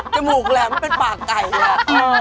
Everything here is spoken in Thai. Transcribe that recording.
กระหมูคูณแหลมมันเป็นปากไก่เลย